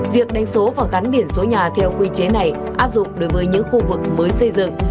việc đánh số và gắn biển số nhà theo quy chế này áp dụng đối với những khu vực mới xây dựng